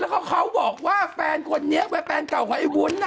แล้วก็เขาบอกว่าแฟนคนนี้เป็นแฟนเก่าของไอ้วุ้น